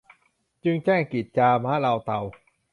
จึงแจ้งกิจจามะเลาเตา